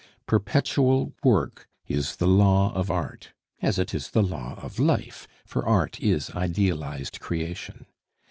Perpetual work is the law of art, as it is the law of life, for art is idealized creation.